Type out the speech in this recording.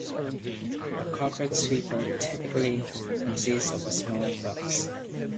A carpet sweeper typically consists of a small box.